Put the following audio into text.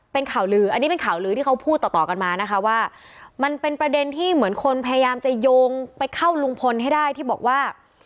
เป็นข่าวลืออันนี้เป็นข่าวลือที่เขาพูดต่อต่อกันมานะคะว่ามันเป็นประเด็นที่เหมือนคนพยายามจะโยงไปเข้าลุงพลให้ได้ที่บอกว่า